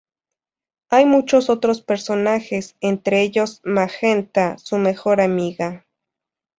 Hay muchos otros personajes, entre ellos Magenta, su mejor amiga.